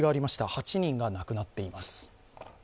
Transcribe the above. ８人が亡くなっています。